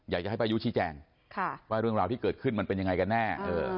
อยากจะให้ป้ายุชี้แจงว่าเรื่องราวที่เกิดขึ้นมันเป็นยังไงกันแน่